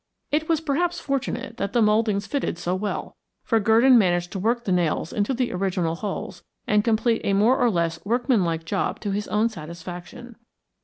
It was perhaps fortunate that the mouldings fitted so well, for Gurdon managed to work the nails into the original holes and complete a more or less workmanlike job to his own satisfaction.